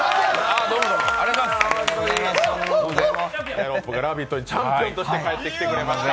ギャロップが「ラヴィット！」にチャンピオンとして帰ってきてくれました。